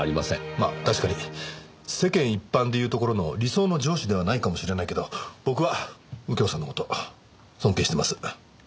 まあ確かに世間一般で言うところの理想の上司ではないかもしれないけど僕は右京さんの事尊敬してます。